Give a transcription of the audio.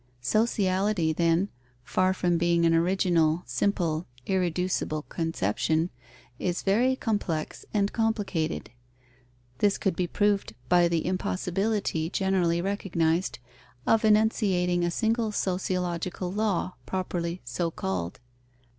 Sociality, then, far from being an original, simple, irreducible conception, is very complex and complicated. This could be proved by the impossibility, generally recognized, of enunciating a single sociological law, properly so called.